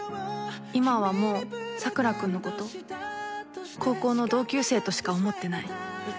今はもう、佐倉君のこと高校の同級生としか思ってない。